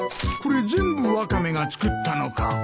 これ全部ワカメが作ったのか？